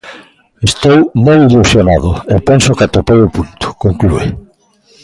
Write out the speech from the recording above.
Estou moi ilusionado e penso que atopei o punto, conclúe.